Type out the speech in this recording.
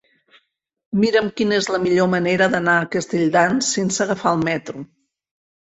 Mira'm quina és la millor manera d'anar a Castelldans sense agafar el metro.